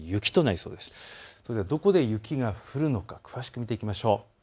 それではどこで雪が降るのか詳しく見てみましょう。